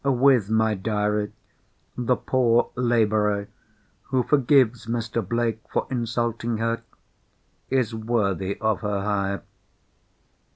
With my diary, the poor labourer (who forgives Mr. Blake for insulting her) is worthy of her hire.